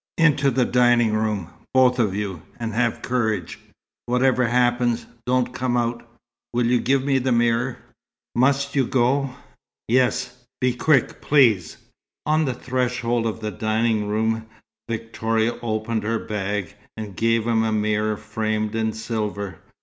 "Into the dining room, both of you, and have courage! Whatever happens, don't come out. Will you give me the mirror?" "Must you go?" "Yes. Be quick, please." On the threshold of the dining room Victoria opened her bag, and gave him a mirror framed in silver.